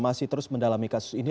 masih terus mendalami kasus ini